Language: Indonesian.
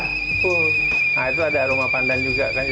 nah itu ada aroma pandan juga kan